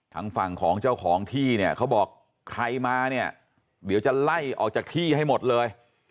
ทางฝั่งของเจ้าของที่เนี่ยเขาบอกใครมาเนี่ยเดี๋ยวจะไล่ออกจากที่ให้หมดเลย